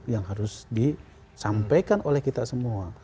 yang harus disampaikan oleh kita semua